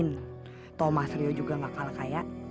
dan thomas rio juga nggak kalah kaya